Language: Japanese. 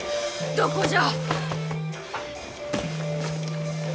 どこじゃ？